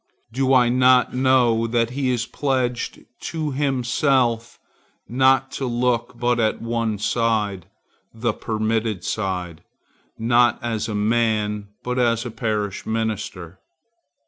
Do I not know that he is pledged to himself not to look but at one side, the permitted side, not as a man, but as a parish minister?